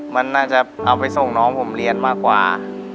มันน่าจะเอาไปส่งน้องผมเรียนมากกว่า